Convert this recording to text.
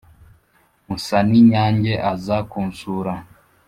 musaninyange aza kunsura